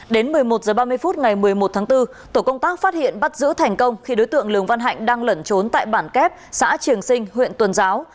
đến một mươi một h ba mươi phút ngày một mươi một tháng bốn tổ công tác phát hiện bắt giữ thành công khi đối tượng lường văn hạnh đang lẩn trốn tại bản kép xã triềng sinh huyện tuần giáo